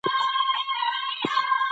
انګریزان به شاه شجاع ته ډالۍ ورکوي.